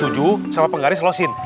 ibu sama penggaris losin